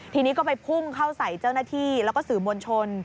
ทีนี้ก็ไปพุ่งเข้าใส่เจ้าหน้าที่แล้วก็สื่อมวลชน